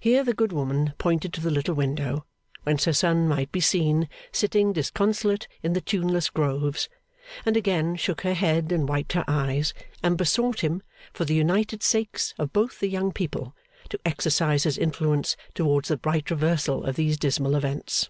Here the good woman pointed to the little window, whence her son might be seen sitting disconsolate in the tuneless groves; and again shook her head and wiped her eyes, and besought him, for the united sakes of both the young people, to exercise his influence towards the bright reversal of these dismal events.